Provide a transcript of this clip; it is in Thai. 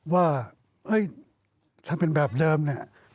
ว่าถ้าเป็นแบบเดิมเนี่ย